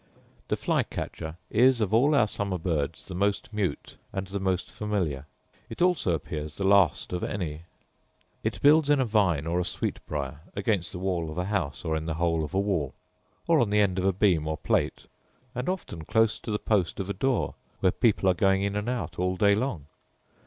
The fly catcher is of all our summer birds the most mute and the most familiar: it also appears the last of any. It builds in a vine, or a sweetbriar, against the wall of an house, or in the hole of a wall, or on the end of a beam or plate, and often close to the post of a door where people are going in and out all day long.